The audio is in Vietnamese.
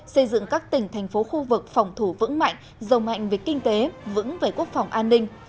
xây dựng các tỉnh thành phố khu vực phòng thủ vững mạnh dầu mạnh về kinh tế vững về quốc phòng an ninh